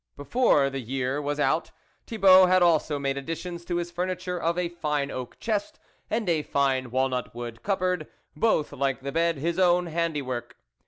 Before the year was out Thibault had also made additions to his furniture of a fine oak chest and a fine walnut wood cupboard, both, like the bed, his own handiwork.